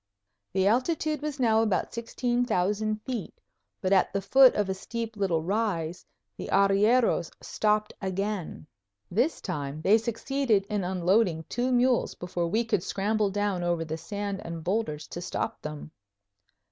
The altitude was now about 16,000 feet, but at the foot of a steep little rise the arrieros stopped again. This time they succeeded in unloading two mules before we could scramble down over the sand and boulders to stop them.